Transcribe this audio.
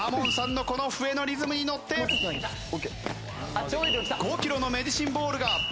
ＡＭＯＮさんのこの笛のリズムにのって５キロのメディシンボールが。